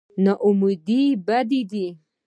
نااميدي بد دی.